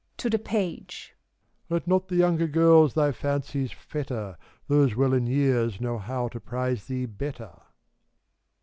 (To the Page.) Let not the younger girls thy fancies fetter; Those well in years know how to prize thee better.